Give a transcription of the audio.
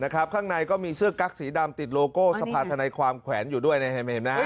ข้างในก็มีเสื้อกั๊กสีดำติดโลโก้สภาธนาความแขวนอยู่ด้วยเห็นไหม